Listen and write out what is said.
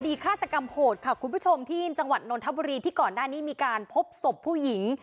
ฆาตกรรมโหดค่ะคุณผู้ชมที่จังหวัดนนทบุรีที่ก่อนหน้านี้มีการพบศพผู้หญิง